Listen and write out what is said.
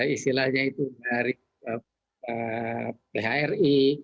istilahnya itu dari phri